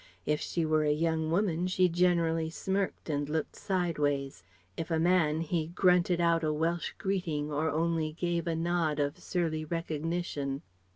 If she were a young woman she generally smirked and looked sideways; if a man he grunted out a Welsh greeting or only gave a nod of surly recognition.